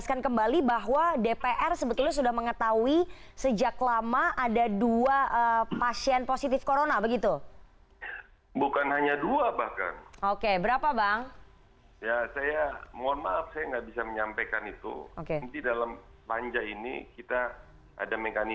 salah salahkan karena mereka juga